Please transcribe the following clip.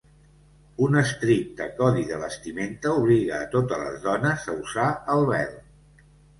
Un estricte codi de vestimenta obliga a totes les dones a usar el vel.